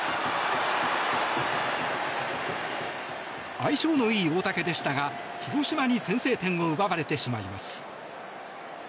相性のいい大竹でしたが広島に先制点を奪われてしまいます。